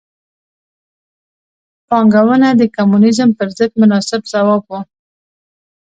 پانګونه د کمونیزم پر ضد مناسب ځواب و.